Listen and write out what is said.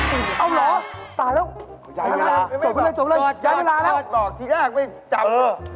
เอาเหรอตายแล้ว